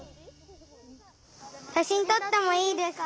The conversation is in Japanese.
しゃしんとってもいいですか？